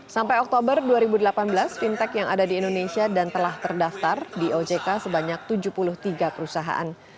sampai oktober dua ribu delapan belas fintech yang ada di indonesia dan telah terdaftar di ojk sebanyak tujuh puluh tiga perusahaan